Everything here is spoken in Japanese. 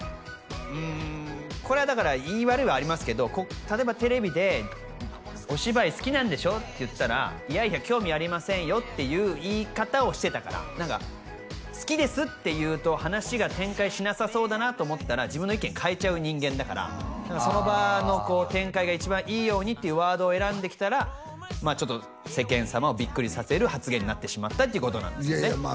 うーんこれはだからいい悪いはありますけど例えばテレビで「お芝居好きなんでしょ？」って言ったら「いやいや興味ありませんよ」っていう言い方をしてたから何か「好きです」って言うと話が展開しなさそうだなと思ったら自分の意見変えちゃう人間だからその場の展開が一番いいようにっていうワードを選んできたらちょっと世間様をビックリさせる発言になってしまったってこといやいやまあ